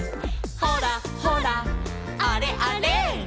「ほらほらあれあれ」